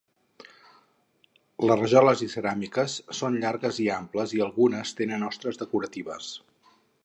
Les rajoles i ceràmiques són llargues i amples i algunes tenen ostres decoratives.